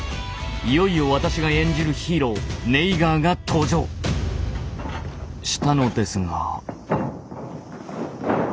いよいよ私が演じるヒーローネイガーが登場したのですが。